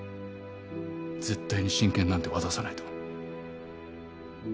絶対に親権なんて渡さないと。